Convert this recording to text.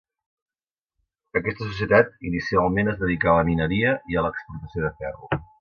Aquesta societat inicialment es dedicà a la mineria i a l'exportació de ferro.